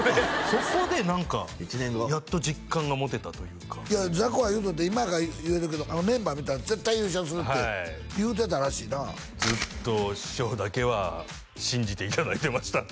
そこで何かやっと実感が持てたというかいやザコが言うとって今やから言えるけどメンバー見たら「絶対優勝する」って言うてたらしいなずっとシショウだけは信じていただいてましたね